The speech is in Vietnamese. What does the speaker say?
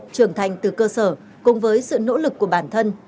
trưởng thành từ cơ sở cùng với sự nỗ lực của bản thân